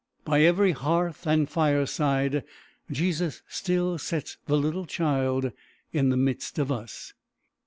By every hearth and fireside Jesus still sets the little child in the midst of us.